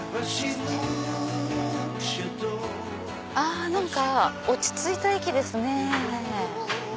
あ何か落ち着いた駅ですね。